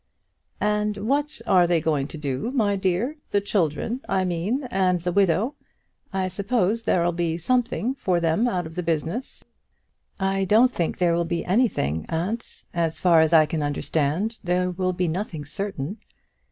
"And what are they going to do, my dear the children, I mean, and the widow? I suppose there'll be something for them out of the business?" "I don't think there'll be anything, aunt. As far as I can understand there will be nothing certain.